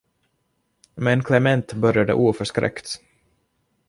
Men Klement började oförskräckt.